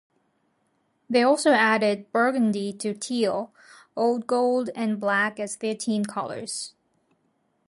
They also added burgundy to teal, old gold and black as their team colours.